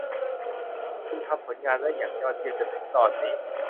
คุณทำผลงานได้อย่างยอดเยี่ยมจนถึงตอนนี้